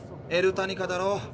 エルタニカだろ。